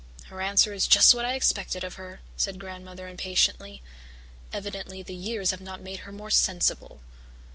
"Her answer is just what I expected of her," said Grandmother impatiently. "Evidently the years have not made her more sensible.